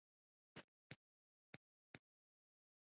استاد د ښوونځي د نظم ساتونکی دی.